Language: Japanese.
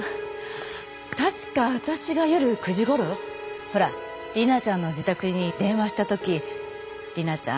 確か私が夜９時頃ほら理奈ちゃんの自宅に電話した時理奈ちゃん